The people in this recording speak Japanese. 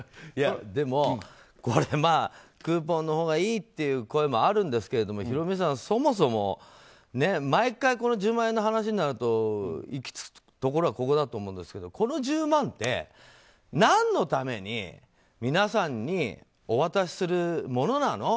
でも、クーポンのほうがいいという声もあるんですけれどもヒロミさん、そもそも毎回この１０万円の話になると行き着くところはここだと思うんですけどこの１０万円って何のために皆さんにお渡しするものなの？